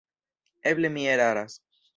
Eble mi eraras.